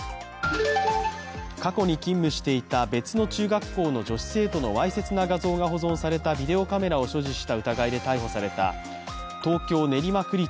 過去に勤務していた別の中学校の女子生徒のわいせつな画像が保存されたビデオカメラを所持した疑いで逮捕された東京・練馬区立